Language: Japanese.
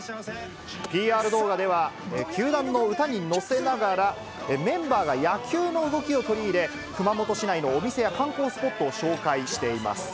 ＰＲ動画では、球団の歌に乗せながら、メンバーが野球の動きを取り入れ、熊本市内のお店や観光スポットを紹介しています。